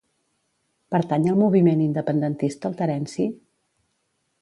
Pertany al moviment independentista el Terenci?